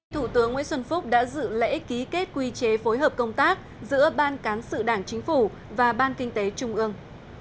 thủ tướng nguyễn xuân phúc đã dự lễ ký kết quy chế phối hợp công tác giữa ban cán sự đảng chính phủ và ban kinh tế trung ương